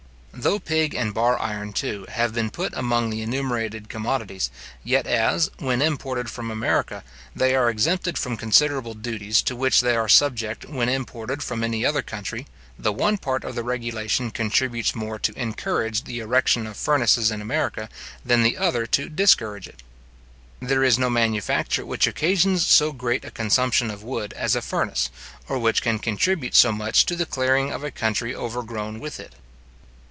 Though pig and bar iron, too, have been put among the enumerated commodities, yet as, when imported from America, they are exempted from considerable duties to which they are subject when imported front any other country, the one part of the regulation contributes more to encourage the erection of furnaces in America than the other to discourage it. There is no manufacture which occasions so great a consumption of wood as a furnace, or which can contribute so much to the clearing of a country overgrown with it.